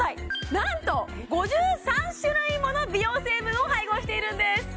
何と５３種類もの美容成分を配合しているんです